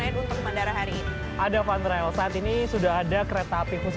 aku mau coba naik kereta dulu ya